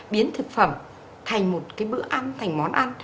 biến thực phẩm thành một cái bữa ăn thành món ăn